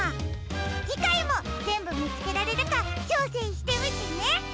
じかいもぜんぶみつけられるかちょうせんしてみてね！